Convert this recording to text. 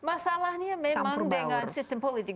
masalahnya memang dengan sistem politik